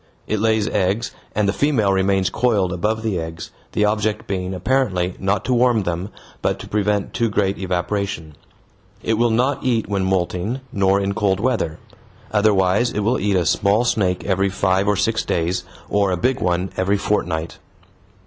It lays eggs, and the female remains coiled above the eggs, the object being apparently not to warm them, but to prevent too great evaporation. It will not eat when moulting, nor in cold weather. Otherwise it will eat a small snake every five or six days, or a big one every fortnight.